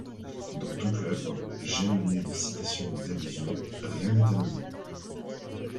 Dans toute l’œuvre, jalonnées de citations ou d'allusions, rien n'est anodin.